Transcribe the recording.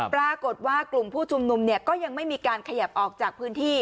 ปรากฏว่ากลุ่มผู้ชุมนุมก็ยังไม่มีการขยับออกจากพื้นที่